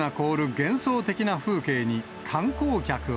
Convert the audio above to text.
幻想的な風景に、観光客は。